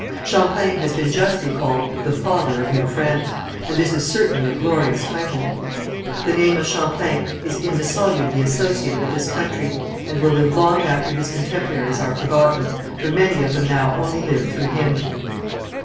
Champlain has been justly called The Father of New France, and this is certainly a glorious title. The name of Champlain is indissolubly associated with this country, and will live long after his contemporaries are forgotten, for many of them now only live through him.